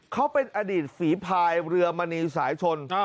เขาเป็นอดีตฝีภายเรือมณีสายชน